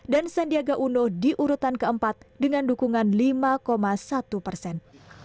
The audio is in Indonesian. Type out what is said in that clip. dan sandiaga uno diurutan keempat dengan dukungan lima satu persen